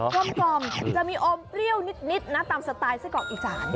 กลมจะมีอมเปรี้ยวนิดนะตามสไตล์ไส้กรอกอีสาน